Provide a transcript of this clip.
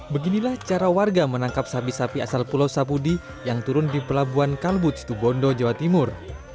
beginilah cara warga menangkap sapi sapi asal pulau sapudi yang turun di pelabuhan kalbut situ bondo jawa timur